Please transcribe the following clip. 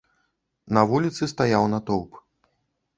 На вуліцы стаяў натоўп.